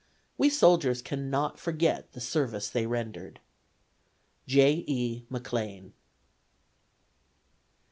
We soldiers cannot forget the service they rendered. "J. E. MacLane."